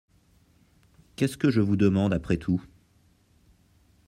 Qu’est-ce que je vous demande après tout ?